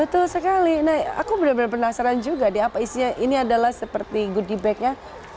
betul sekali nah aku benar benar penasaran juga nih apa isinya ini adalah seperti goodie bag ya